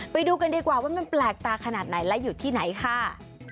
ไปดูกันดีกว่าว่ามันแปลกตาขนาดไหนและอยู่ที่ไหนค่ะ